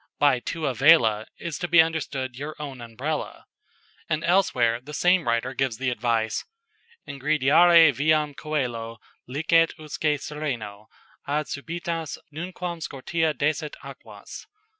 "] By tua vela is to be understood "your own Umbrella." And elsewhere the same writer gives the advice: "Ingrediare viam coelo licet usque sereno Ad subitas nunquam scortea desit aquas."